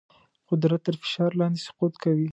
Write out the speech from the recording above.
قدرت تر فشار لاندې سقوط کوي.